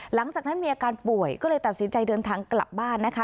หลังจากนั้นมีอาการป่วยก็เลยตัดสินใจเดินทางกลับบ้านนะคะ